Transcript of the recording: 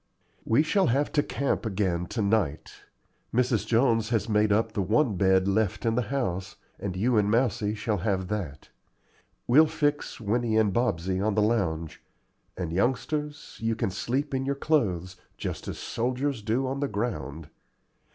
"We shall have to camp again to night. Mrs. Jones has made up the one bed left in the house, and you and Mousie shall have that. We'll fix Winnie and Bobsey on the lounge; and, youngsters, you can sleep in your clothes, just as soldiers do on the ground.